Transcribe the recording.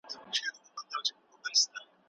بدبختانه چي کورنیو جګړو هر څه ویجاړ کړل.